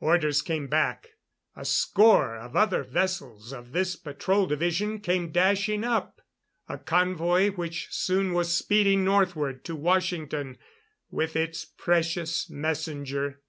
Orders came back. A score of other vessels of this Patrol Division came dashing up a convoy which soon was speeding northward to Washington with its precious messenger.